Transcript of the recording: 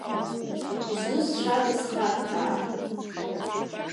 Изусҭцәадаз хаттаа?